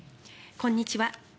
こんにちは。